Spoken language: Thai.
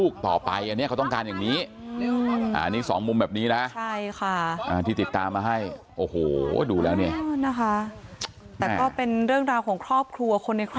ครอบครัว